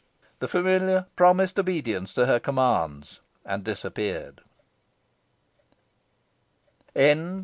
The familiar promised obedience to her commands, and disappeared.